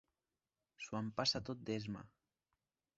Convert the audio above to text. S'ho empassa tot d'esma.